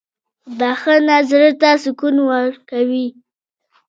• بخښنه زړه ته سکون ورکوي.